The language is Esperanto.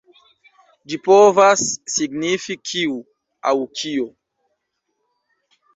Ĝi povas signifi „kiu“ aŭ „kio“.